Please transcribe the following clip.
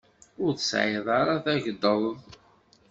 Ur tesɛiḍ ara tagdeḍ.